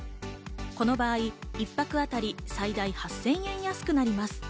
この場合、一泊あたり最大８０００円安くなります。